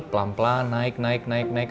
pelan pelan naik naik naik naik naik